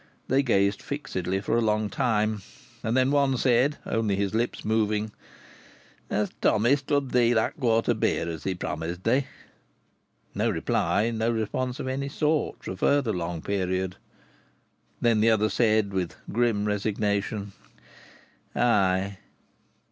They gazed fixedly for a long time, and then one said, only his lips moving: "Has Tommy stood thee that there quart o' beer as he promised thee?" No reply, no response of any sort, for a further long period! Then the other said, with grim resignation: "Ay!"